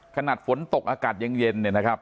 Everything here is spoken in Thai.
ขนาดฝนตกอากาศเย็นนะครับ